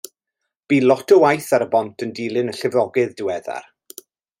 Bu lot o waith ar y bont yn dilyn y llifogydd diweddar.